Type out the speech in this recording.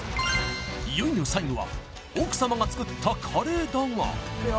いよいよ最後は奥様が作ったカレーだがいくよ